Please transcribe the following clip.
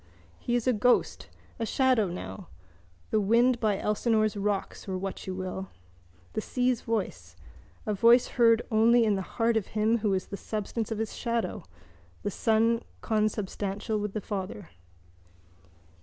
He is a ghost, a shadow now, the wind by Elsinore's rocks or what you will, the sea's voice, a voice heard only in the heart of him who is the substance of his shadow, the son consubstantial with the father.